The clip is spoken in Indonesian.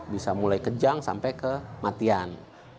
bisa mulai kejang sampai kematian